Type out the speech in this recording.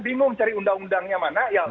bingung cari undang undangnya mana